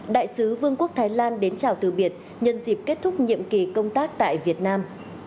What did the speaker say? đại sứ vương quốc thái lan đến chào từ biệt nhân dịp kết thúc nhiệm kỳ công tác tại việt nam